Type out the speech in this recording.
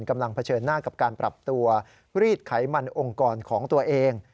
เผชิญหน้ากับการปรับตัวรีดไขมันองค์กรของตัวเอง